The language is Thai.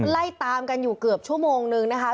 ไล่ตามกันอยู่เกือบชั่วโมงนึงนะคะ